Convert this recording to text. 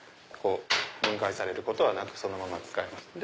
分解されることはなくそのまま使えます。